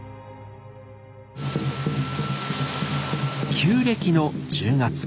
旧暦の１０月。